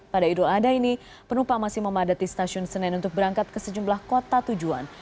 pada idul adha ini penumpang masih memadati stasiun senen untuk berangkat ke sejumlah kota tujuan